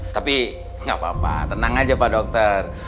tapi gapapa tenang aja pak dokter